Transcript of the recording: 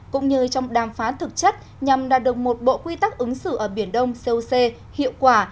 cũng như trong đàm phán thực chất nhằm đạt được một bộ quy tắc ứng xử ở biển đông coc hiệu quả